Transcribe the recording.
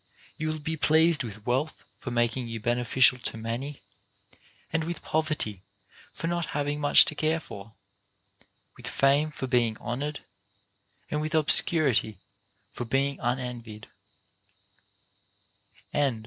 You will be pleased with wealth for making you beneficial to many, and with poverty for not having much to care for ; with fame for being honored, and with obscurity for being unenvied.